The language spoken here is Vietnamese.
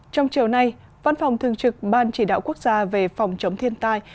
trong chiều nay văn phòng thường trực ban chỉ đạo quốc gia về phòng chống thiên tai